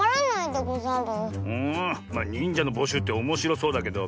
んまあにんじゃのぼしゅうっておもしろそうだけど。